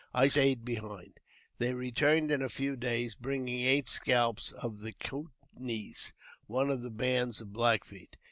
I stayed behind. They returm in a few days, bringing eight scalps of the Coutnees — one o' the bands of the Black Feet.